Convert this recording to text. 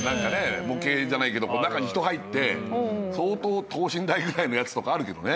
模型じゃないけど中に人入って相当等身大ぐらいのやつとかあるけどね。